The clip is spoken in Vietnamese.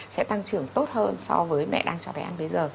sẽ tăng trưởng tốt hơn so với mẹ đang cho bé ăn bây giờ